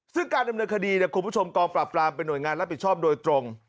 ซึ่งการดำเนินคดีคุณผู้ชมกองปราบปรามเป็นห่วยงานรับผิดชอบโดยตรง